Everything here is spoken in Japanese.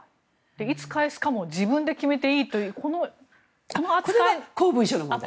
いつ返すかも自分で決めていいという扱い。